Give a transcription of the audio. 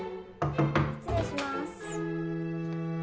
失礼します。